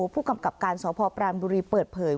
ผู้กำกับการสพปรานบุรีเปิดเผย